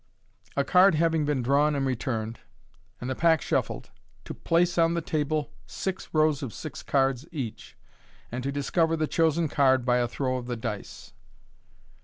A Card having been drawn and returned, and the Pack SHUFFLED, TO PLACE ON THE TABLE SIX ROWS OF SIX CARDS EACH, AND TO DISCOVBR THB CHOSEN CARD BY A THROW OF THE DlCE.